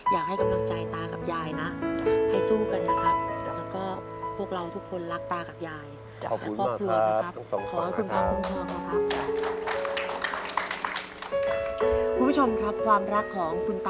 อยากให้กำลังใจตากับยายนะให้สู้กันนะครับ